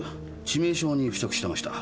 致命傷に付着してました。